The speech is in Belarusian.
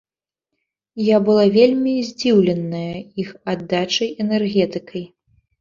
Я была вельмі здзіўленая іх аддачай, энергетыкай.